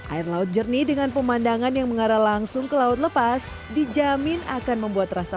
air laut jernih dengan pemandangan yang mengarah langsung ke laut lepas dijamin akan membuat rasa